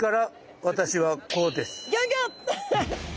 ギョギョッ！